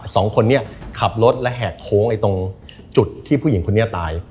สองคนนี้ขับรถและแหกโค้งไอ้ตรงจุดที่ผู้หญิงคนนี้ตาย